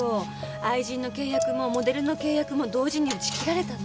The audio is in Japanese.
愛人の契約もモデルの契約も同時に打ち切られたの。